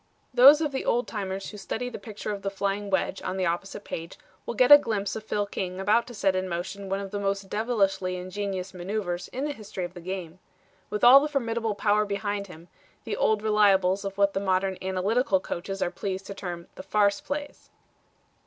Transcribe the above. Those of the old timers who study the picture of the flying wedge on the opposite page will get a glimpse of Phil King about to set in motion one of the most devilishly ingenious maneuvers in the history of the game. With all the formidable power behind him, the old reliables of what the modern analytical coaches are pleased to term the farce plays.